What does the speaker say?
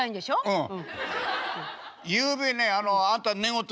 うん。